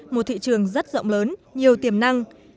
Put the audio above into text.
một thị trường rất rộng lớn nhiều tiềm năng